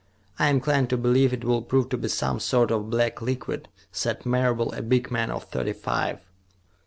"I am inclined to believe it will prove to be some sort of black liquid," said Marable, a big man of thirty five.